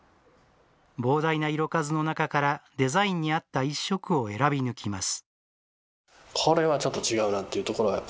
膨大な色数の中から、デザインに合った一色を選び抜きます。